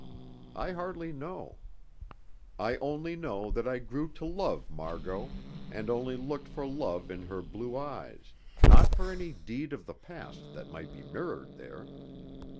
I hardly know. I only know that I grew to love Margot, and only looked for love in her blue eyes, not for any deed of the past that might be mirrored there.